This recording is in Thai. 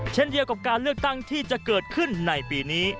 เช่นเดียวกับการเลือกตั้งที่จะเกิดขึ้นในปีนี้